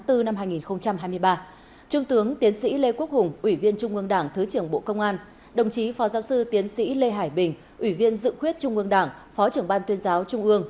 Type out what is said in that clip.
trung tướng lê quốc hùng ủy viên trung ương đảng thứ trưởng bộ công an đồng chí phó giáo sư tiến sĩ lê hải bình ủy viên dự khuyết trung ương đảng phó trưởng ban tuyên giáo trung ương